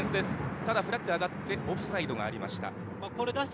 ただ、フラッグが上がってオフサイドがありました。